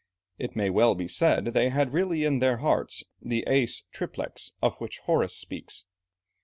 It may well be said that they had really in their heart the æs triplex of which Horace speaks.